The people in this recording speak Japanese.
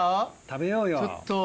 食べようよ。